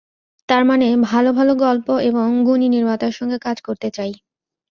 তার মানে, ভালো ভালো গল্প এবং গুণী নির্মাতার সঙ্গে কাজ করতে চাই।